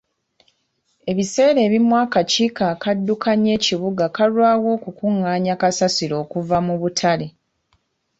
Ebiseera ebimu akakiiko akaddukanya ekibuga kalwawo okukungaanya kasasiro okuva mu butale.